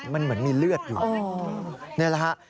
มันเหมือนมีเลือดอยู่นี่แหละฮะ